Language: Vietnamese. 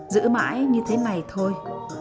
giữ mãi như thế này thôi